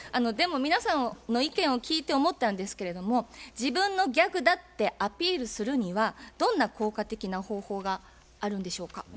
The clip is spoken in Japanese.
でも皆さんの意見を聞いて思ったんですけれども自分のギャグだってアピールするにはどんな効果的な方法があるんでしょうか？